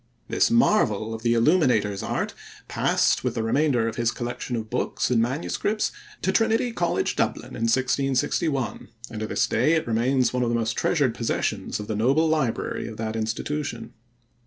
This marvel of the illuminator's art passed with the remainder of his collection of books and manuscripts to Trinity College, Dublin, in 1661, and to this day it remains one of the most treasured possessions of the noble library of that institution.